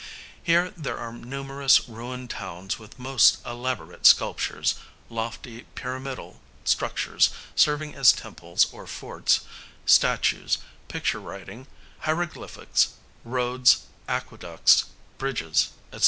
Here there are numerous ruined towns with most elaborate sculptures, lofty pyramidal structures serving as temples or forts, statues, picture writing, hieroglyphics, roads, aqueducts, bridges, &c.